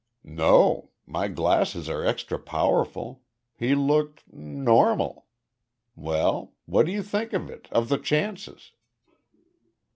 "No. My glasses are extra powerful. He looked normal. Well? What do you think of it of the chances?"